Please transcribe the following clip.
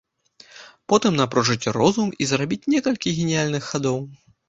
Потым напружыць розум і зрабіць некалькі геніяльных хадоў.